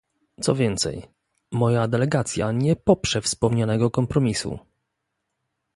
Co więcej, moja delegacja nie poprze wspomnianego kompromisu